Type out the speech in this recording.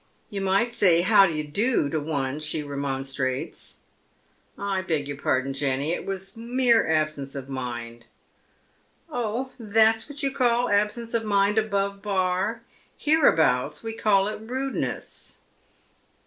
" You might say ' how d'ye do ?' to one," she remonstrates. " I beg your pardon, Jenny. It was mere absence of mind." " Oh, that's what you call absence of mind above Bar. Here abouts we call it rudeness."